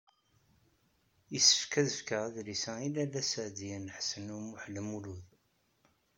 Yessefk ad fkeɣ adlis-a i Lalla Seɛdiya n Ḥsen u Muḥ Lmlud.